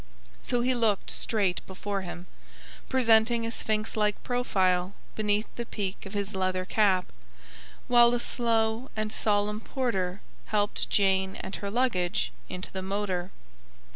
So he looked straight before him, presenting a sphinx like profile beneath the peak of his leather cap, while a slow and solemn porter helped Jane and her luggage into the motor.